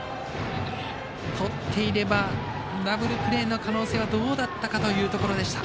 とっていればダブルプレーの可能性はどうだったかというところでした。